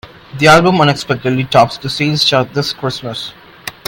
The album unexpectedly tops the sales chart this Christmas.